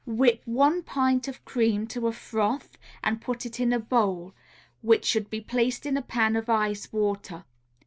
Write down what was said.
Whip one pint of cream to a froth and put it in a bowl, which should be placed in a pan of ice water.